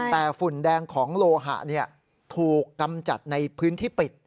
แต่ฝุ่นแดงของโลหะถูกกำจัดในพื้นที่ปิด